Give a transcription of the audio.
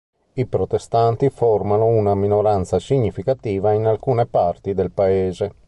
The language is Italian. I protestanti formano una minoranza significativa in alcune parti del paese.